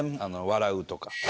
笑うとか。